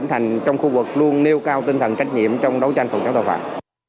thành trong khu vực luôn nêu cao tinh thần trách nhiệm trong đấu tranh phòng chống tội phạm